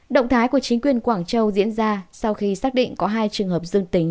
động thái của chính quyền quảng châu diễn ra sau khi xác định có hai trường hợp dương tính